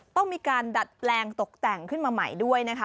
ต้องมีการดัดแปลงตกแต่งขึ้นมาใหม่ด้วยนะคะ